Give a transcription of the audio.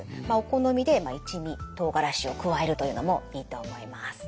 まあお好みで一味とうがらしを加えるというのもいいと思います。